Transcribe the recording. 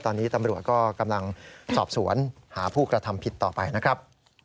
ตอนนี้ตำรวจก็กำลังสอบสวนหาผู้กระทำผิดต่อไปนะครับ